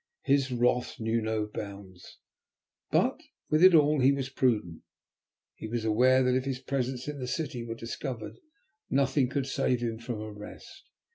His wrath knew no bounds; but with it all he was prudent. He was aware that if his presence in the city were discovered, nothing could save him from arrest.